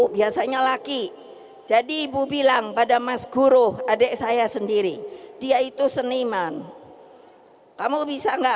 biasanya laki jadi ibu bilang pada mas guru adik saya sendiri dia itu seniman kamu bisa enggak